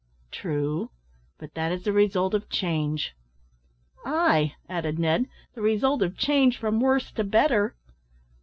"True; but that is the result of change." "Ay," added Ned, "the result of change from worse to better."